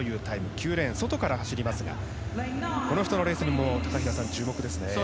９レーンの外から走りますがこの人のレースにも注目ですね。